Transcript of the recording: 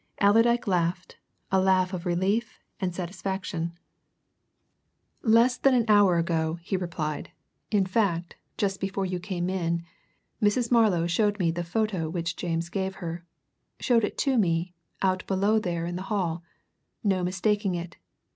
Allerdyke laughed a laugh of relief and satisfaction. "Less than an hour ago," he replied, "in fact, just before you came in, Mrs. Marlow showed me the photo which James gave her showed it to me, out below there in the hall. No mistaking it!